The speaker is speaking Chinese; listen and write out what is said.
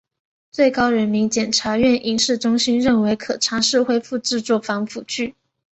最高人民检察院影视中心认为可尝试恢复制作反腐剧。